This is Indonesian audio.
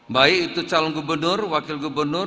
baik itu calon gubernur wakil gubernur